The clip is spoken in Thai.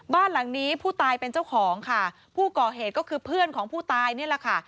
บ้านหลังนี้ผู้ตายเป็นเจ้าของค่ะผู้ก่อเหตุก็คือเพื่อนของผู้ตายนี่แหละค่ะ